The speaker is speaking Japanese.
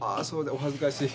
お恥ずかしい。